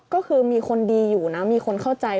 ก็คือมีคนดีอยู่นะมีคนเข้าใจ